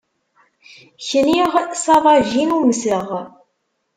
Kniɣ s aḍajin umseɣ.